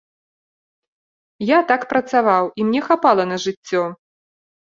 Я так працаваў, і мне хапала на жыццё.